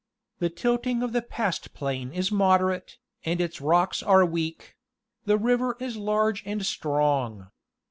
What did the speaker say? The tilting of the pastplain is moderate, and its rocks are weak ; the river is large and strong.